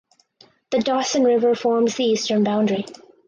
The "Dawson River" forms the eastern boundary.